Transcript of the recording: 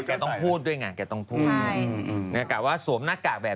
มีคนใส่อย่างเดียวก็พร้อมน่ะก็มีความแบบ